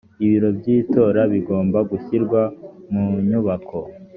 ibiro by’itora bigomba gushyirwa mu nyubako